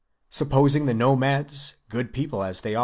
Supposing the nomads, good people as they CHAP.